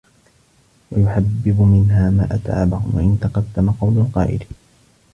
وَيُحَبَّبُ مِنْهَا مَا أَتْعَبَ وَإِنْ تَقَدَّمَ قَوْلُ الْقَائِلِ